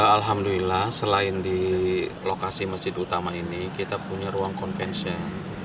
alhamdulillah selain di lokasi masjid utama ini kita punya ruang convention